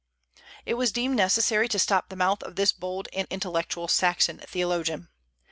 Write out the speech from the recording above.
It was deemed necessary to stop the mouth of this bold and intellectual Saxon theologian.